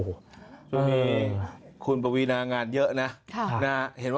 คุณประวินางานเยอะนะ